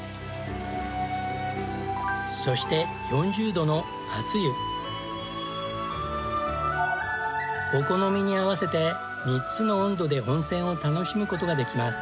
そしてお好みに合わせて３つの温度で温泉を楽しむ事ができます。